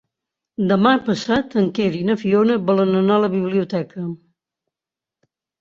Demà passat en Quer i na Fiona volen anar a la biblioteca.